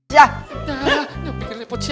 ya yang pikir repot siapa